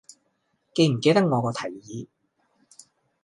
記唔記得我個提議